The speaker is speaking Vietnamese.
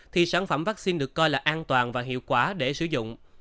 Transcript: thì sản phẩm vaccine được coi là an toàn và hiệu quả để sử dụng